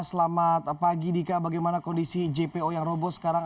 selamat pagi dika bagaimana kondisi jpo yang roboh sekarang